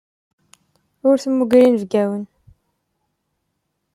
Ur temmuger inebgawen.